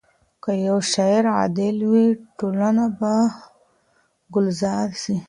که يو مشر عادل وي ټولنه به ګلزار سي.